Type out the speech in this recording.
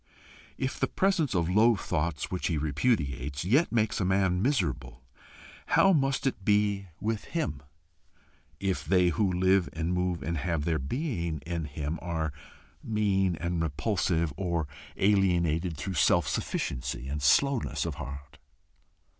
If the presence of low thoughts which he repudiates, yet makes a man miserable, how must it be with him if they who live and move and have their being in him are mean and repulsive, or alienated through self sufficiency and slowness of heart?